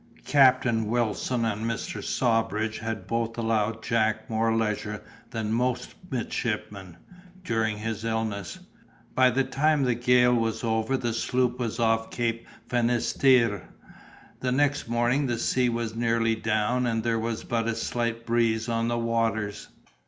Captain Wilson and Mr. Sawbridge had both allowed Jack more leisure than most midshipmen, during his illness. By the time the gale was over the sloop was off Cape Finisterre. The next morning the sea was nearly down, and there was but a slight breeze on the waters.